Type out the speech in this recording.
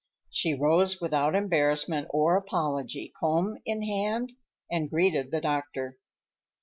She rose without embarrassment or apology, comb in hand, and greeted the doctor.